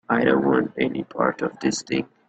I don't want any part of this thing.